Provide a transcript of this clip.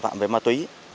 chất ma túy